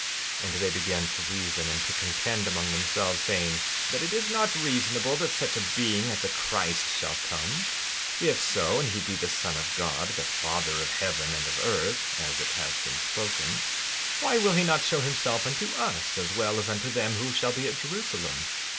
16:17 And they began to reason and to contend among themselves, saying: 16:18 That it is not reasonable that such a being as a Christ shall come; if so, and he be the Son of God, the Father of heaven and of earth, as it has been spoken, why will he not show himself unto us as well as unto them who shall be at Jerusalem?